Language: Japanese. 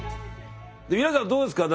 皆さんどうですか？